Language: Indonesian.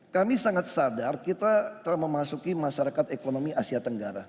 kami sangat sadar kita termasuki masyarakat ekonomi asia tenggara